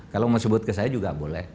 kalau mau sebut ke saya juga boleh